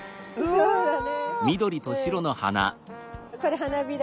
そうだね。